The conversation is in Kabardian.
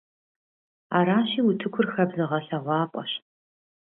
Аращи, утыкур хабзэ гъэлъэгъуапӀэщ.